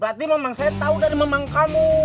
berarti memang saya tahu dari memang kamu